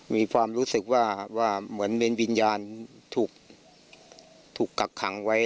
มีความรู้สึกว่าว่าเหมือนเป็นวิญญาณถูกกักขังไว้